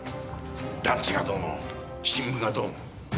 団地がどうの新聞がどうの。